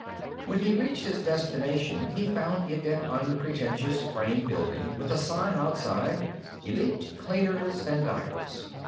When he reached his destination he found it an unpretentious frame building with a sign outside: "Elite Cleaners and Dyers."